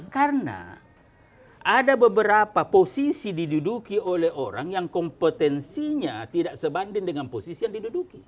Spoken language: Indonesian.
karena ada beberapa posisi diduduki oleh orang yang kompetensinya tidak sebanding dengan posisi yang diduduki